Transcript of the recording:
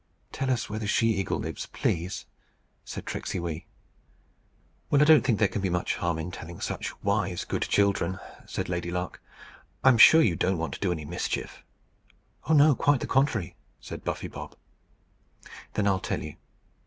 "Tell us where the she eagle lives, please," said Tricksey Wee. "Well, I don't think there can be much harm in telling such wise, good children," said Lady Lark; "I am sure you don't want to do any mischief." "Oh, no; quite the contrary," said Buffy Bob. "Then I'll tell you.